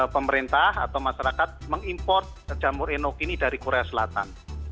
pemerintah atau masyarakat mengimport jamur enoki ini dari korea selatan